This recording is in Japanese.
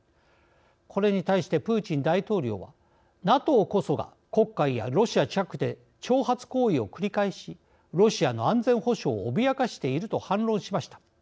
これに対して、プーチン大統領はＮＡＴＯこそが黒海やロシア近くで挑発行為を繰り返しロシアの安全保障を脅かしていると反論しました。